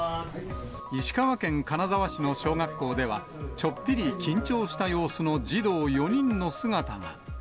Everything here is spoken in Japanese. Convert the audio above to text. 石川県金沢市の小学校では、ちょっぴり緊張した様子の児童４人の姿が。